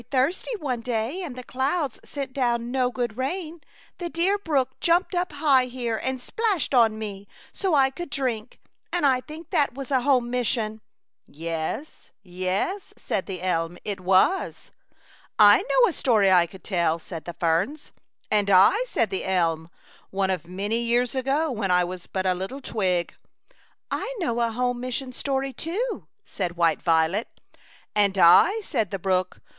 thirsty, one day, and the clouds sent down no good rain, the dear brook jumped up high here, and splashed on me so I could drink, and I think that was a home mission." " Yes, yes,*' said the elm, " it was." '* I know a story I could tell," said the ferns. " And I," said the elm ;" one of many years ago, when I was but a little twig." " I know a home mission story too," said White Violet. " And I," said the brook.